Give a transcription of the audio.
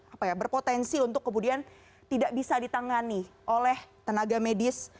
apa ya berpotensi untuk kemudian tidak bisa ditangani oleh tenaga medis